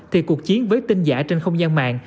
thì cuộc chiến với tin giả trên không gian mạng